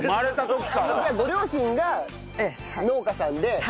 じゃあご両親が農家さんで。